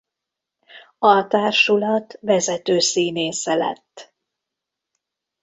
A társulat vezető színésze lett.